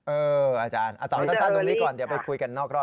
อาจารย์ตอบสั้นตรงนี้ก่อนเดี๋ยวไปคุยกันนอกรอบ